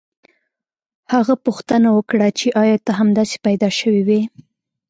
هغه پوښتنه وکړه چې ایا ته همداسې پیدا شوی وې